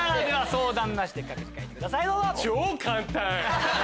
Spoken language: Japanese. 相談なしで各自書いてください。